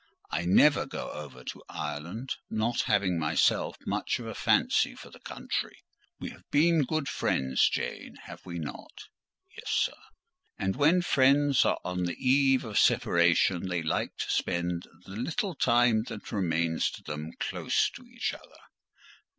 I never go over to Ireland, not having myself much of a fancy for the country. We have been good friends, Jane; have we not?" "Yes, sir." "And when friends are on the eve of separation, they like to spend the little time that remains to them close to each other.